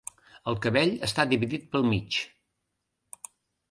El cabell està dividit pel mig